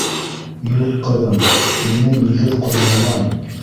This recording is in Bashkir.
Юҡ, ҡыҙым, минең нигеҙ ҡоромаған.